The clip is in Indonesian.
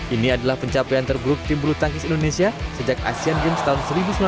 ini adalah pencapaian terburuk tim bulu tangkis indonesia sejak asean games tahun seribu sembilan ratus sembilan puluh